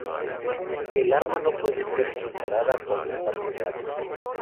El arma no puede ser disparada cuando está plegada.